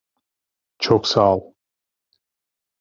Çok sağol.